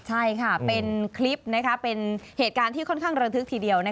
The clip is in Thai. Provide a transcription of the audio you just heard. ใช่ค่ะเป็นคลิปเป็นเหตุการณ์ที่ค่อนข้างระทึกทีเดียว